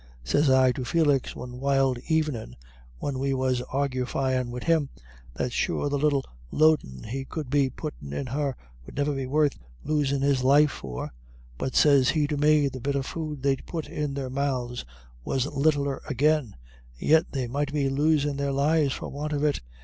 Sez I to Felix one wild evenin', when we was argufyin' wid him, that sure the little loadin' he could be puttin' in her 'ud never be worth losin' his life for. But sez he to me, the bit of food they'd put in their mouths was littler agin, and yet they might be losin' their lives for want of it.